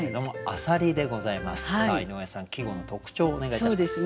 さあ井上さん季語の特徴をお願いいたします。